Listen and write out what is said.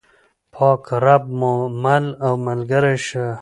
پاک رب مو مل او ملګری شه.